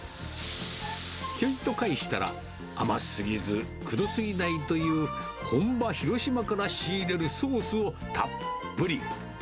ひょいと返したら、甘すぎずくどすぎないという、本場、広島から仕入れるソースをたっぷり。